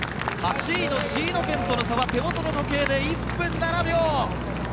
８位のシード圏内との差は手元の時計で１分７秒。